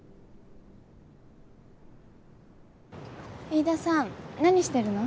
飯田さん何してるの？